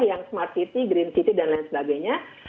yang smart city green city dan lain sebagainya